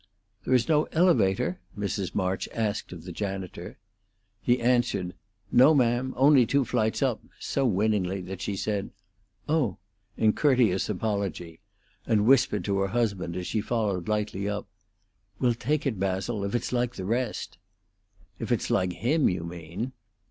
"There is no elevator?" Mrs. March asked of the janitor. He answered, "No, ma'am; only two flights up," so winningly that she said, "Oh!" in courteous apology, and whispered to her husband, as she followed lightly up, "We'll take it, Basil, if it's like the rest." "If it's like him, you mean."